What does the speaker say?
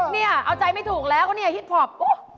เนี่ยเอาใจไม่ถูกแล้วก็เนี่ยฮิตพอปุ๊